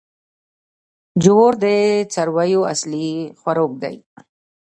جوار د څارویو اصلي خوراک دی.